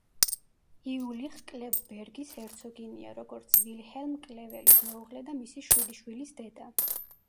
იულიხ-კლევ-ბერგის ჰერცოგინია როგორც ვილჰელმ კლეველის მეუღლე და მისი შვიდი შვილის დედა.